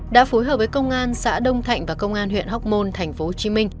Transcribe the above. đã phối hợp với công an xã đông thạnh và công an huyện hóc môn tp hcm